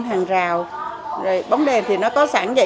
hàng rào bóng đèn thì nó có sẵn vậy